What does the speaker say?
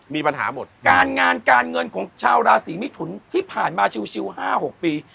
มีปัญหาหมดการงานการเงินของชาวราศีมิถุนที่ผ่านมาชิว๕๖ปี